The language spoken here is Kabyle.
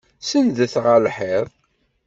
Senndet ɣer lḥiḍ!